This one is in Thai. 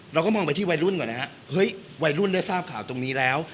เราก็มองไปที่วัยรุ่นก่อนนะฮะเฮ้ยวัยรุ่นได้ทราบข่าวตรงนี้แล้ว